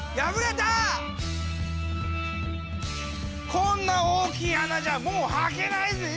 こんな大きい穴じゃもうはけないぜぇ。